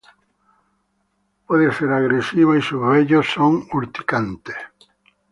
Puede ser agresiva y sus bellos son urticantes.